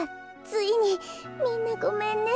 ついにみんなごめんね。